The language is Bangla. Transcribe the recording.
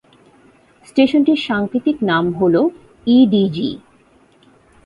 স্টেশনটির সাংকেতিক নাম হল ইডিজি।